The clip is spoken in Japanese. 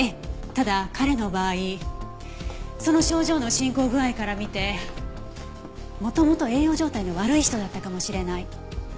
ただ彼の場合その症状の進行具合から見て元々栄養状態の悪い人だったかもしれない。